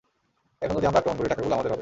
এখন যদি আমরা আক্রমণ করি, টাকাগুলো আমাদের হবে।